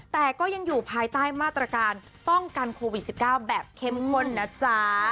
แต่ก็ยังอยู่ภายใต้มาตรการป้องกันโควิด๑๙แบบเข้มข้นนะจ๊ะ